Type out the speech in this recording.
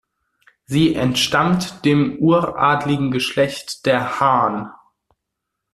Sie entstammt dem uradeligen Geschlecht der Hahn.